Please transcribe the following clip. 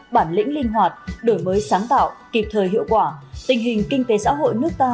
bản lĩnh linh hoạt đổi mới sáng tạo kịp thời hiệu quả tình hình kinh tế xã hội nước ta